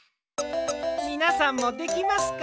みなさんもできますか？